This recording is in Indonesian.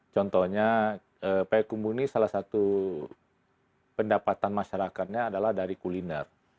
contohnya payakumbu ini salah satu pendapatan masyarakatnya adalah dari kuliner